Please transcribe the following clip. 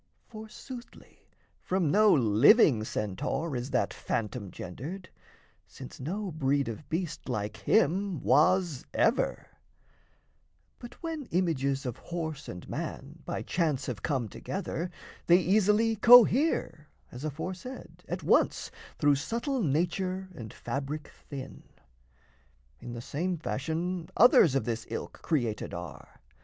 For soothly from no living Centaur is That phantom gendered, since no breed of beast Like him was ever; but, when images Of horse and man by chance have come together, They easily cohere, as aforesaid, At once, through subtle nature and fabric thin. In the same fashion others of this ilk Created are.